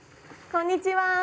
こんにちは。